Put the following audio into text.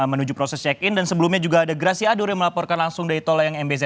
menuju proses check in dan sebelumnya juga ada grasi adur yang melaporkan langsung dari tol layang mbz